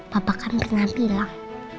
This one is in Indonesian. papa kan pernah bilang